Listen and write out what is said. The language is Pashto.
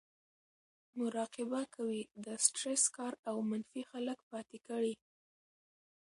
مراقبه کوي , د سټرېس کار او منفي خلک پاتې کړي